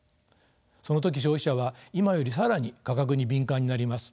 その時消費者は今より更に価格に敏感になります。